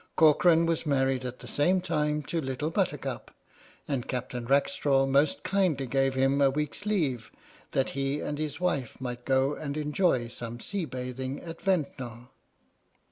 Corcoran was married at the same time to Little Buttercup, and Captain Rackstraw most kindly gave him a week's leave that he and his wife, might go and enjoy some sea bathing at Ventnor.